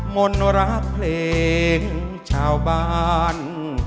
มนรักเพลงชาวบ้าน